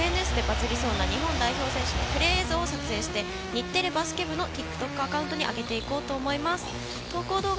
今日はＳＮＳでバズりそうな日本代表選手のプレー映像を撮影して、日テレバスケ部のＴｉｋＴｏｋアカウントにあげていこうと思います。